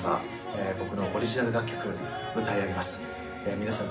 皆さん